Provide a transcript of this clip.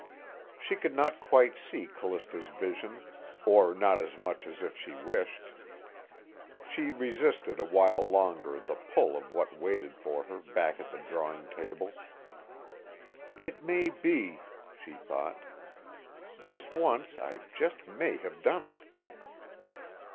She could not quite see Callista's vision, or not as much of it as she wished; she resisted a while longer the pull of what waited for her back at the drawing table. It may be, she thought. _This once I just may have done it.